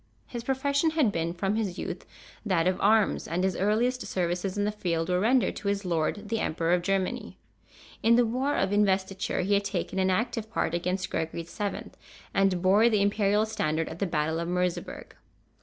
His profession had been from his youth that of arms, and his earliest services in the field were rendered to his lord, the Emperor of Germany. In the war of Investiture he had taken an active part against Gregory VII., and bore the Imperial standard at the battle of Merseberg.